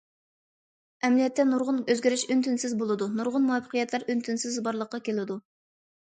ئەمەلىيەتتە نۇرغۇن ئۆزگىرىش ئۈن- تىنسىز بولىدۇ، نۇرغۇن مۇۋەپپەقىيەتلەر ئۈن- تىنسىز بارلىققا كېلىدۇ.